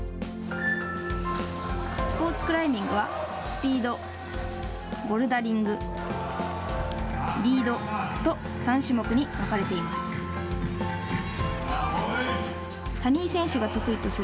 スポーツクライミングはスピード、ボルダリングリードと３種目に分かれています。